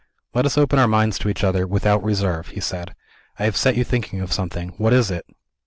"Let us open our minds to each other, without reserve," he said. "I have set you thinking of something. What is it?"